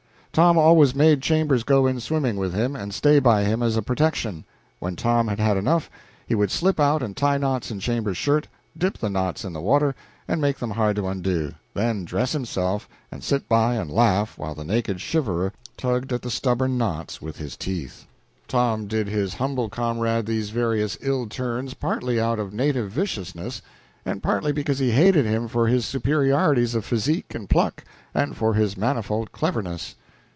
Tom always made Chambers go in swimming with him, and stay by him as a protection. When Tom had had enough, he would slip out and tie knots in Chambers's shirt, dip the knots in the water and make them hard to undo, then dress himself and sit by and laugh while the naked shiverer tugged at the stubborn knots with his teeth. Tom did his humble comrade these various ill turns partly out of native viciousness, and partly because he hated him for his superiorities of physique and pluck, and for his manifold cleverness.